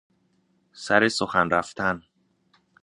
سر سخن رفتن